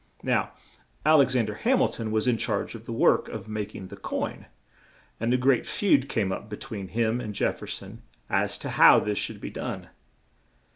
Now, Al ex an der Ham il ton was in charge of the work of mak ing the coin, and a great feud came up be tween him and Jef fer son as to how this should be done.